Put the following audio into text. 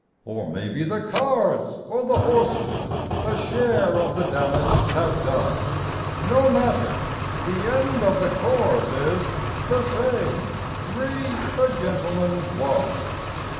Or maybe the cards or the horses A share of the damage have done No matter; the end of the course is The same: "Re a Gentleman, One".